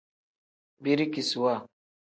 Birikisiwa.